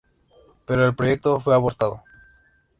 Pero el proyecto fue abortado.